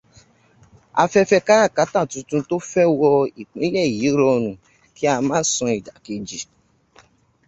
Afẹ́fẹ́ káràkátà tuntun tó fẹ́ wọ ìpínlẹ̀ yìí rọrùn kí a má sọ ìdàkejì.